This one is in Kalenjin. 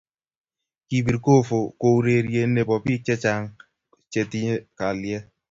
kipir Gofu ko urerie ne bo biik che chang che tiye kalyee.